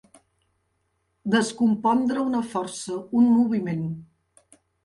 Descompondre una força, un moviment.